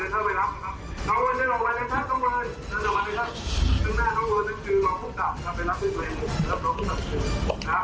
หอมอันนี้ต้องเป็น